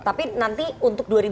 tapi nanti untuk dua ribu dua puluh